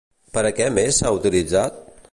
Per a què més s'ha utilitzat?